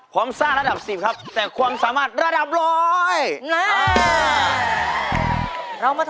ความซ่าระดับ๑๐ครับแต่ความสามารถระดับ๑๐๐